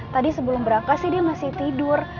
tadi sebelum berangkat sih dia masih tidur